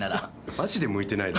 マジで向いてないな。